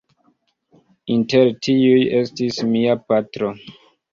Inter tiuj estis mia patro.